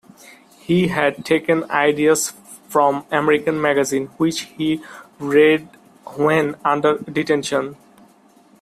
He had taken ideas from American magazines, which he read when under detention.